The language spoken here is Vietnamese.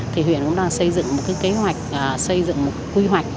thì huyện cũng đang xây dựng một kế hoạch xây dựng một quy hoạch